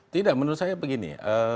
tidak menurut saya begini